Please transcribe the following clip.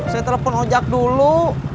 saya telepon ojak dulu